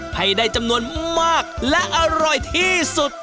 ให้ได้จำนวนมากและอร่อยที่สุด